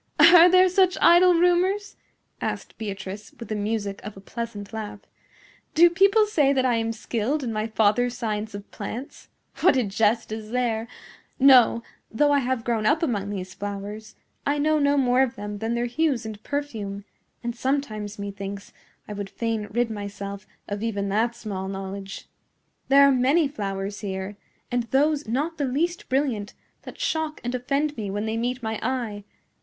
"Are there such idle rumors?" asked Beatrice, with the music of a pleasant laugh. "Do people say that I am skilled in my father's science of plants? What a jest is there! No; though I have grown up among these flowers, I know no more of them than their hues and perfume; and sometimes methinks I would fain rid myself of even that small knowledge. There are many flowers here, and those not the least brilliant, that shock and offend me when they meet my eye.